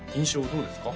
どうですか？